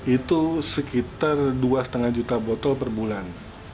itu sekitar dua lima juta botol per bulan